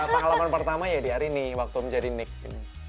pengalaman pertama ya di arini waktu menjadi nick